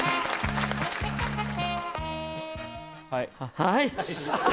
はい。